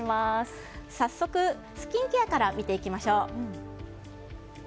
早速、スキンケアから見ていきましょう。